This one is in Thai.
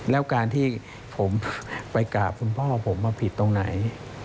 แล้วการที่ผมไปกราบคุณพ่อผมว่าผิดตรงไหน